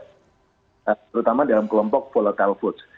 terutama dalam kelompok volatile foods